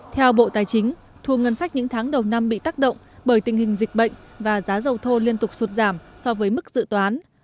theo bộ tài chính thu ngân sách những tháng đầu năm bị tác động bởi tình hình dịch bệnh và giá dầu thô liên tục sụt giảm so với mức dự toán